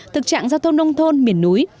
thực trạng giao thông nông thôn miền núi